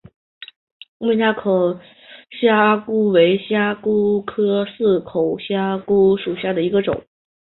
葛氏似口虾蛄为虾蛄科似口虾蛄属下的一个种。